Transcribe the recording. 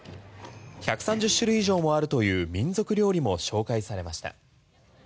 １３０種類以上もあるという民族料理も紹介されました。